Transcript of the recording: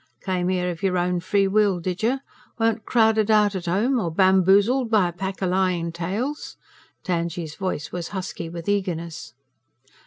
"Came 'ere of your own free will, did you? Weren't crowded out at home? Or bamboozled by a pack o' lying tales?" Tangye's voice was husky with eagerness.